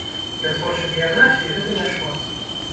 Для творчай біяграфіі гэта няшмат.